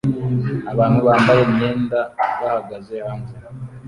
Abantu bambaye imyenda bahagaze hanze